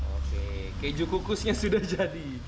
oke keju kukusnya sudah jadi